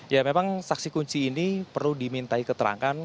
ya memang saksi kunci ini perlu dimintai keterangan